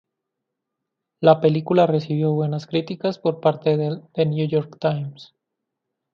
La película recibió buenas críticas por parte del The New York Times.